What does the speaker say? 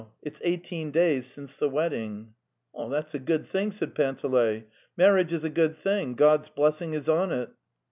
. It's eighteen days since the wedding." "That's a good thing," said Panteley. " Mar riage is a good thing. ... God's blessing is on it."